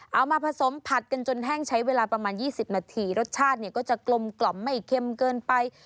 เอามาผสมผัดกันจนแห้งใช้เวลาประมาณ๒๐นาทีรสชาติเนี่ยก็จะกลมกล่อมไม่เค็มเกินไป